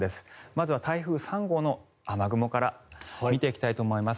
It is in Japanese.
まずは台風３号の雨雲から見ていきたいと思います。